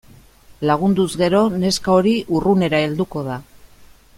Lagunduz gero neska hori urrunera helduko da.